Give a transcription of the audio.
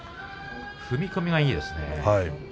踏み込みがいいですね。